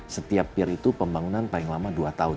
setiap pier itu pembangunan paling lama dua tahun